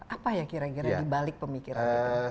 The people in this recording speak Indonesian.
apa ya kira kira di balik pemikiran